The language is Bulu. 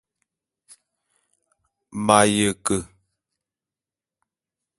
M'aye ke.